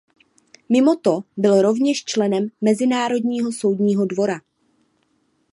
Mimo to byl rovněž členem Mezinárodního soudního dvora.